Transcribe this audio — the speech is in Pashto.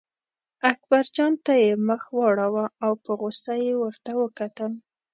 اکبرجان ته یې مخ واړاوه او په غوسه یې ورته وکتل.